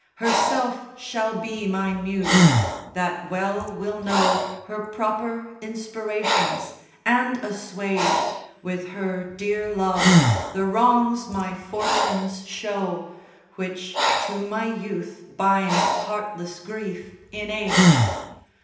Herself shall be my Muse ; that well will know Her proper inspirations ; and assuage With her dear love the wrongs my fortunes show, Which to my youth bind heartless grief in age.